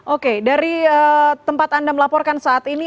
oke dari tempat anda melaporkan saat ini